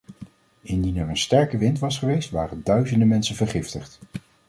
Indien er een sterke wind was geweest, waren duizenden mensen vergiftigd.